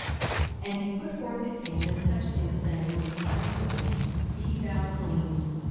42:005:013 And he put forth his hand, and touched him, saying, I will: be thou clean.